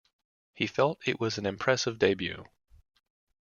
He felt it was an impressive debut.